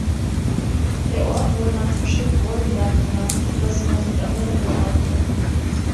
Der Ort wurde nach dem Schiff "Volendam" benannt, das sie nach Südamerika brachte.